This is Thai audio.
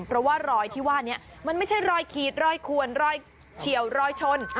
เพราะว่ารอยที่ว่านี้มันไม่ใช่รอยขีดรอยขวนรอยเฉียวรอยชน